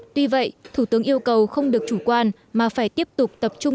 tuy vậy thủ tướng yêu cầu không được chủ quan mà phải tiếp tục tập trung